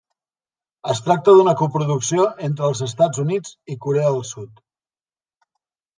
Es tracta d'una coproducció entre els Estats Units i Corea del Sud.